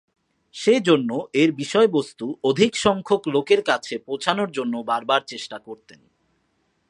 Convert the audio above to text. সে জন্য এর বিষয়বস্তু অধিক সংখ্যক লোকের কাছে পৌছানোর জন্য বারবার চেষ্টা করতেন।